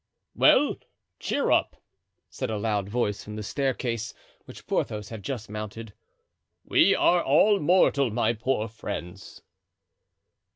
"Well, cheer up!" said a loud voice from the staircase, which Porthos had just mounted. "We are all mortal, my poor friends."